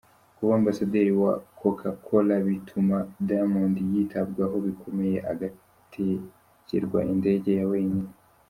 Kuba Ambasaderi wa Coca-Cola bituma Diamond yitabwaho bikomeye agategerwa indege ya wenyine.